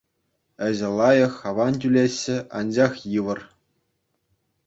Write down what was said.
Ĕçĕ лайӑх, аван тӳлеҫҫӗ, анчах йывӑр.